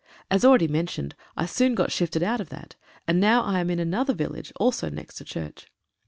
As already mentioned, I soon got shifted out of that, and now I am in another village, also next a church.